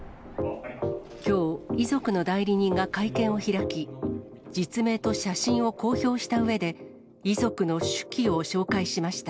きょう、遺族の代理人が会見を開き、実名と写真を公表したうえで、遺族の手記を紹介しました。